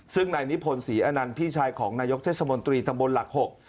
ซึ่งนายนิพนธ์ศรีอนันต์พี่ชายของนายกเทศมนตรีตำบลหลักหก